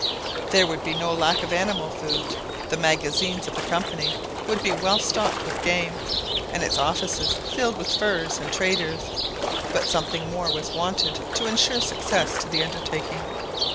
There would then be no lack of animal food; the magazines of the Company would be well stocked with game, and its offices filled with furs and traders; but something more was wanted to insure success to the undertaking.